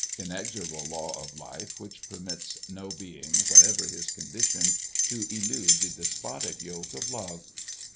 Inexorable law of life, which permits no being, whatever his condition, to elude the despotic yoke of love!